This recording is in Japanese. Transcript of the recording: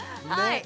はい。